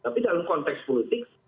tapi dalam konteks politik